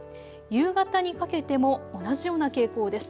夕方にかけても同じような傾向です。